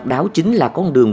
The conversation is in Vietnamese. đọc đáo chính là con đường